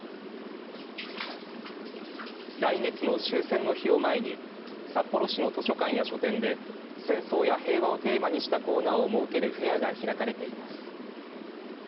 来月の終戦の日を前に札幌市の図書館や書店で戦争や平和をテーマにしたコーナーを設けるフェアが開かれています。